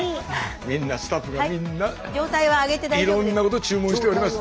みんなスタッフがみんないろんなこと注文しております。